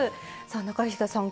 さあ中東さん